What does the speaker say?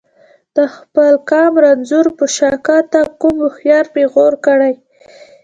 د خپل قام رنځور په شاکه ته ته کوم هوښیار پیغور کړي.